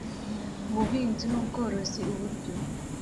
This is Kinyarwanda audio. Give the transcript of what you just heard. Mu buhinzi n ubworozi uburyo